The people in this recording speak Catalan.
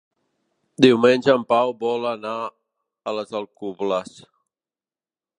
Diumenge en Pau vol anar a les Alcubles.